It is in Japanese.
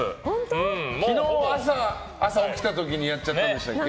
昨日、朝起きた時にやっちゃったんでしたっけ？